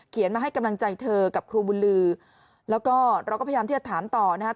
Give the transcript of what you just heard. มาให้กำลังใจเธอกับครูบุญลือแล้วก็เราก็พยายามที่จะถามต่อนะครับ